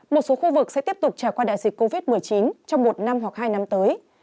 một số khu vực sẽ tiếp tục trải qua đại dịch covid một mươi chín trong một năm hoặc hai năm tới